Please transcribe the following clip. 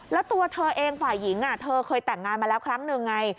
แล้วตัวเธอเองฝ่ายหญิงเธอเคยแต่งงานมาแล้วครั้งหนึ่งไง